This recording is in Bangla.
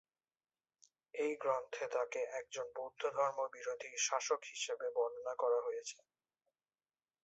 এই গ্রন্থে তাকে একজন বৌদ্ধ ধর্ম বিরোধী শাসক হিসেবে বর্ণনা করা হয়েছে।